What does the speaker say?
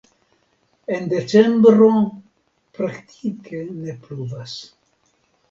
En decembro praktike ne pluvas.